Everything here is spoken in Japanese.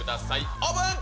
オープン。